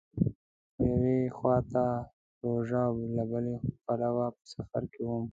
خو یوې خوا ته روژه او له بله پلوه په سفر کې وم.